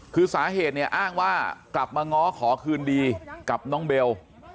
คือสาเหตุเนี่ยอ้างว่ากลับมาง้อขอคืนดีกับน้องเบล